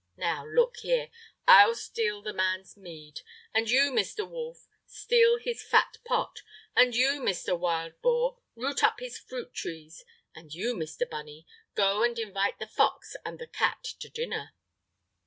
Now, look here! I'll steal the man's mead; and you, Mr. Wolf, steal his fat pot; and you, Mr. Wildboar, root up his fruit trees; and you, Mr. Bunny, go and invite the fox and the cat to dinner."